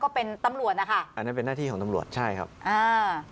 ก็เป็นตำรวจนะคะอันนั้นเป็นหน้าที่ของตำรวจใช่ครับอ่า